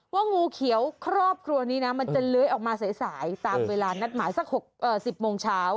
งูเขียวครอบครัวนี้นะมันจะเลื้อยออกมาสายตามเวลานัดหมายสัก๑๐โมงเช้า